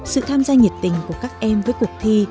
sự tham gia nhiệt tình của các em với cuộc thi